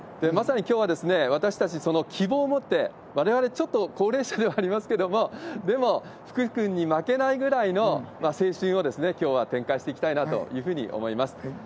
まさにきょうは、私たち、その希望を持って、われわれちょっと高齢者ではありますけれども、でも、福君に負けないぐらいの青春を、きょうは展開していきたいなというふうに思います。